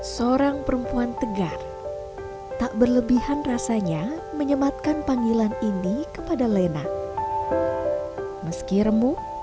seorang perempuan tegar tak berlebihan rasanya menyematkan panggilan ini kepada lena meski remu